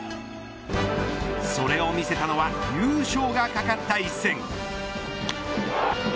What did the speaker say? それを見せたのは優勝が懸かった一戦。